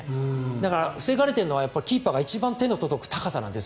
だから防がれているのはキーパーが一番手の届く高さなんです。